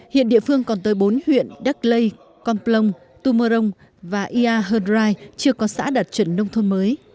hiện địa phương còn tới bốn huyện đắc lây con plông tumorong và ia hơn rai chưa có xã đạt chuẩn nông thôn mới